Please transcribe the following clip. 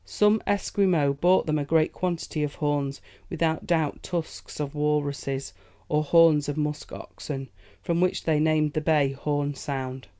Some Esquimaux brought them a great quantity of horns, without doubt tusks of walruses, or horns of musk oxen; from which they named the bay Horn Sound.